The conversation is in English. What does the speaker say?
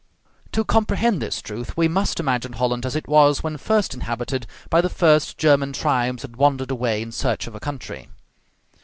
To comprehend this truth, we must imagine Holland as it was when first inhabited by the first German tribes that wandered away in search of a country.